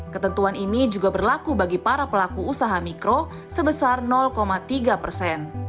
ketentuan ini juga berlaku bagi para pelaku usaha mikro sebesar tiga persen